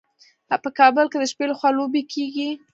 په کابل کې د شپې لخوا لوبې کیږي.